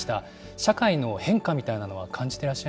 社会の変化みたいなのは感じてら